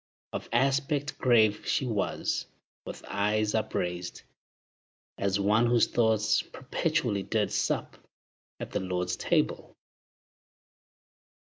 Of aspect grave she was, with eyes upraised, As one whose thoughts perpetually did sup At the Lord's table.